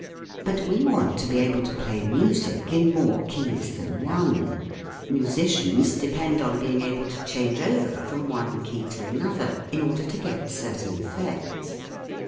But we want to be able to play music in more keys than one : musicians depend on being able to change over from one key to another in order to get certain effects.